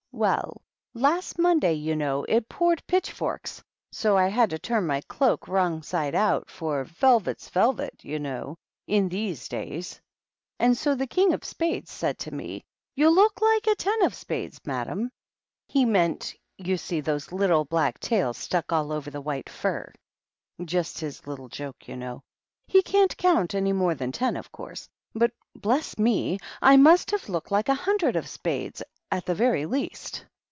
Well, last Monday, you know, it poured pitchforks, so I had to turn my cloak wrong side out, for velvet's velvet, you know, in these days. And so the King of Spades said to me, *You look like a ten of spades, madam,' — ^he meant, you see, those little black tails stuck all over the white for; just his little joke, you know. He can't count any more than ten, of course; but, bless me ! I must have looked like a hundred of spades at the very least."